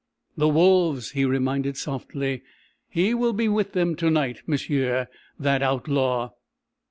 "The wolves," he reminded softly. "He will be with them to night, m'sieu that outlaw!"